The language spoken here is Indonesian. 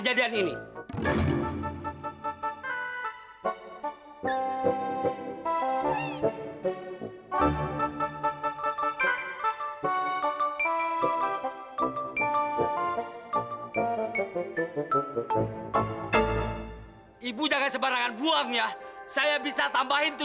aduh bagus deh